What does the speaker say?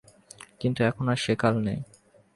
কিন্তু এখন আর সে কাল নেই।